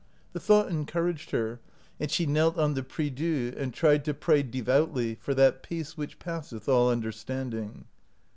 The thought encouraged her, and she knelt on the prie dieu and tried to pray devoutly for that peace which passeth all understanding.